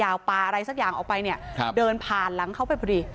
ปลาอะไรสักอย่างออกไปเนี่ยเดินผ่านหลังเขาไปพอดี